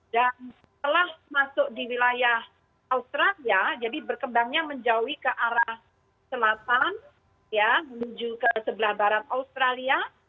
dan setelah masuk di wilayah australia jadi berkembangnya menjauhi ke arah selatan ya menuju ke sebelah barat australia